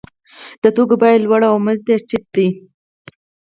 د توکو بیه لوړه او مزد یې ټیټ دی